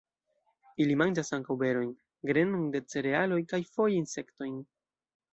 Ili manĝas ankaŭ berojn, grenon de cerealoj kaj foje insektojn.